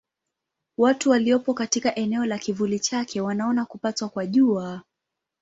Watu waliopo katika eneo la kivuli chake wanaona kupatwa kwa Jua.